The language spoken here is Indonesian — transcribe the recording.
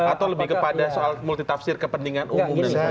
atau lebih kepada multi tafsir kepentingan umum